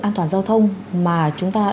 an toàn giao thông mà chúng ta